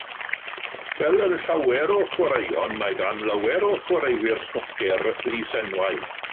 Fel yn llawer o chwaraeon, mae gan lawer o chwaraewyr snwcer lysenwau.